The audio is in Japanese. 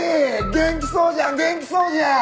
元気そうじゃん元気そうじゃん！